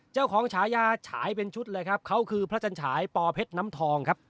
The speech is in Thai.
ฉายาฉายเป็นชุดเลยครับเขาคือพระจันฉายปอเพชรน้ำทองครับ